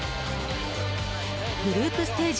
グループステージ